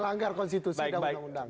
melanggar konstitusi dan undang undang